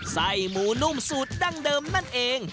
ไส้หมูนุ่มสูตรดั้งเดิมนั่นเอง